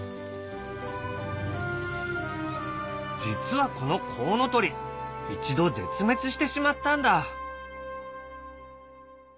実はこのコウノトリ一度絶滅してしまったんだ。